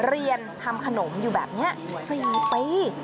เรียนทำขนมอยู่แบบนี้๔ปี